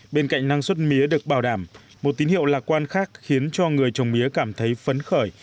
bên cạnh năng suất mía được bảo đảm một tín hiệu lạc quan khác khiến cho người trồng mía cảm thấy phấn khởi